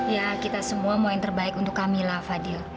ya kita semua mau yang terbaik untuk kamilah fadil